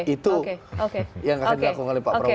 itu yang akan dilakukan oleh pak prabowo